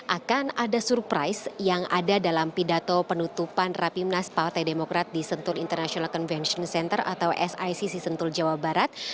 akan ada surprise yang ada dalam pidato penutupan rapimnas partai demokrat di sentul international convention center atau sic si sentul jawa barat